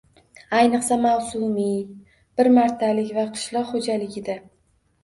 Ayniqsa, mavsumiy, bir martalik va qishloq xo'jaligida